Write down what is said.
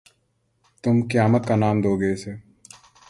تم قیامت کا نام دو گے اِسے